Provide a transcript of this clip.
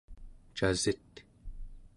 casit?